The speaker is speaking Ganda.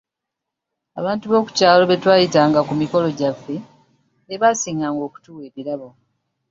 Abantu b’ekyalo be twayitanga ku mikolo gyaffe, be baasinganga okutuwa ebirabo.